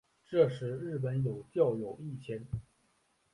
这时日本有教友一千。